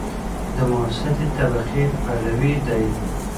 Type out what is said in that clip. د متوسطې طبقې پلوی دی.